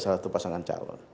salah satu pasangan calon